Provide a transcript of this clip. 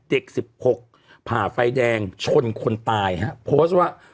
สิบหกผ่าไฟแดงชนคนตายฮะโพสต์ว่า